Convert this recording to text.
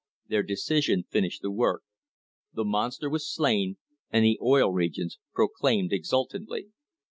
This decision finished the work. The "Monster" was slain, the Oil Regions proclaimed exultantly.